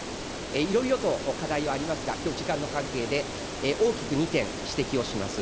いろいろと課題はありますが、きょう、時間の関係で、大きく２点、指摘をします。